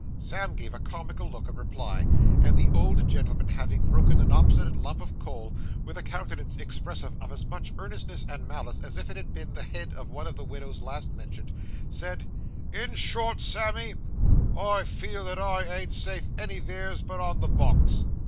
Sam gave a comical look in reply, and the old gentleman having broken an obstinate lump of coal, with a countenance expressive of as much earnestness and malice as if it had been the head of one of the widows last mentioned, said: 'In short, Sammy, I feel that I ain't safe anyveres but on the box.